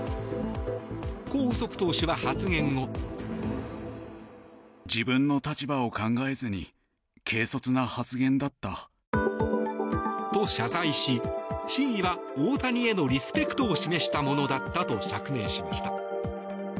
コ・ウソク投手は発言後。と、謝罪し真意は大谷へのリスペクトを示したものだったと釈明しました。